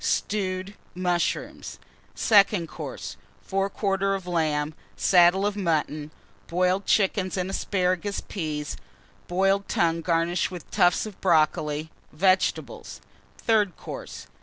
Stewed Mushrooms. SECOND COURSE. Fore quarter of Lamb. Saddle of Mutton. Boiled Chickens and Asparagus Peas. Boiled Tongue garnished with Tufts of Brocoli. Vegetables. THIRD COURSE.